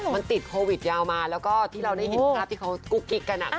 มันติดโควิดยาวมาแล้วก็ที่เราได้เห็นภาพที่เขากุ๊กกิ๊กกัน